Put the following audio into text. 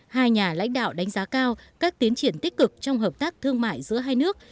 hai nhà lãnh đạo đánh giá cao các tiến triển tích cực trong hợp tác thương mại giữa hai nước